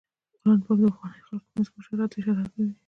قرآن پاک د پخوانیو خلکو په مینځ کې شهرت ته اشاره کوي.